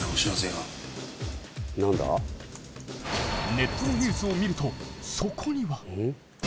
ネットのニュースを見るとそこには。